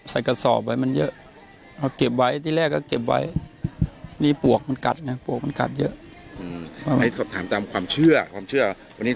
ใส่กระสอบไว้มันเยอะ